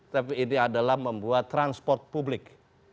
tapi ini adalah membuat transport publik